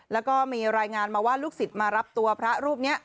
แล้วก็มีรายงานมาว่าลูกศิษย์มารับตัวพระรูปนี้